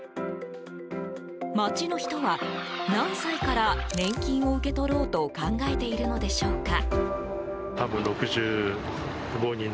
街の人は何歳から年金を受け取ろうと考えているのでしょうか？